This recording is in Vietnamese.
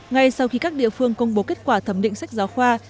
ngay sau khi các địa phương công bố kết quả thẩm định sách giáo khoa